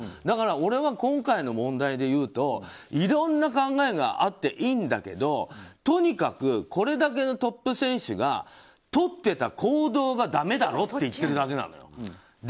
だから俺は、今回の問題でいうといろんな考えがあっていいんだけどとにかくこれだけのトップ選手がとってた行動がだめだろって言ってるだけなのよ。